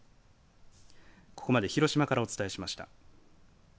ここまで広島からお伝えしました。